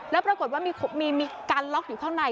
แล้วปรากฏว่ามีการล็อกอยู่ข้างใน